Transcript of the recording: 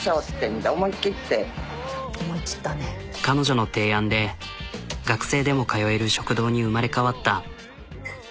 彼女の提案で学生でも通える食堂に生まれ変わった。